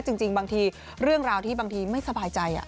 จริงบางทีเรื่องราวที่บางทีไม่สบายใจ